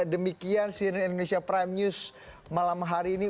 demikian cnn indonesia prime news malam hari ini